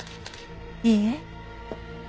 いいえ。